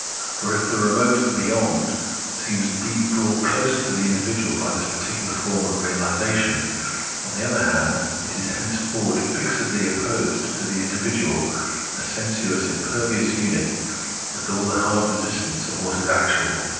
For if the remote ' beyond ' seems indeed brought closer to the individual by this particular form of realisation, on the other hand, it is henceforward fixedly opposed to the in dividual, a sensuous, impervious unit, with all the hard resistance of what is actual.